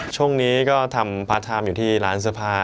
ช่วงนี้ก็ทำพาร์ทไทม์อยู่ที่ร้านเสื้อผ้า